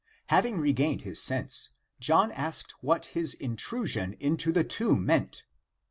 Having regained his sense, John asked what his intrusion into the tomb meant.